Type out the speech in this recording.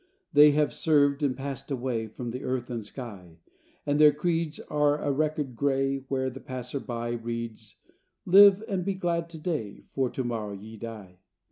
They have served, and passed away From the earth and sky, And their creeds are a record gray, Where the passer by Reads, "Live and be glad to day, For to morrow ye die."